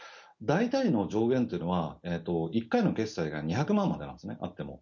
大体の上限というのは、１回の決済が２００万までなんですね、あっても。